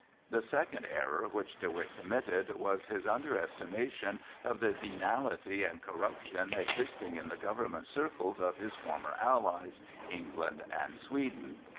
The second error which De Witt committed was his underestimation of the venality and corruption existing in the government circles of his former allies, England and Sweden.